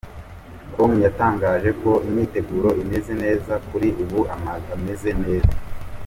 com yatangaje ko imyiteguro imeze neza kuri ubu ameze neza.